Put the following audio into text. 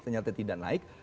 ternyata tidak naik